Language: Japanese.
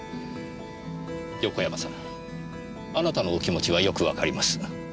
横山さんあなたのお気持ちはよくわかります。